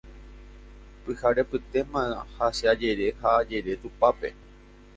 Pyharepytéma ha che ajere ha ajere tupápe